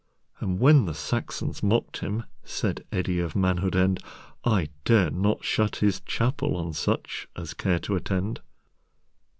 And when the Saxons mocked him, Said Eddi of Manhood End,"I dare not shut His chapelOn such as care to attend."